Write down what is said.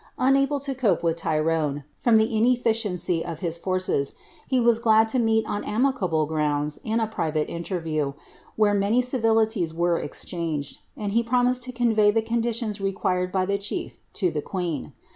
Unable lo cope with Tyrone, from Ihe inefficiency of bi9 forcn, he was glad to meet on amicable grounds in a private interview, whm many civilities were exchanged, and he promised to convey the fomii lioiis required by the chief to tlie queen.